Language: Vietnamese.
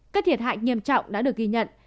các thiệt hại nghiêm trọng đã được ghi nhận